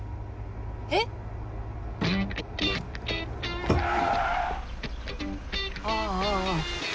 えっ⁉ああ。